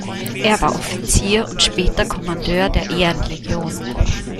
Er war Offizier und später Kommandeur der Ehrenlegion.